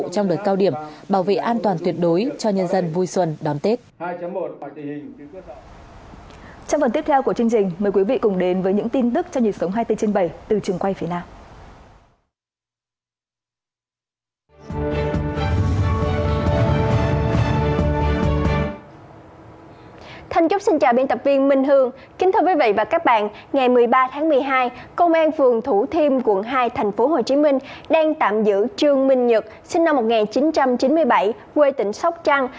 đang tạm giữ trương minh nhật sinh năm một nghìn chín trăm chín mươi bảy quê tỉnh sóc trăng